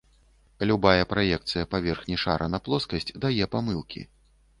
Любая праекцыя паверхні шара на плоскасць дае памылкі.